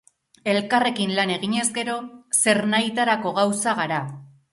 Elkarrekin lan eginez gero, zernahitarako gauza gara.